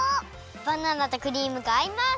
バナナとクリームがあいます！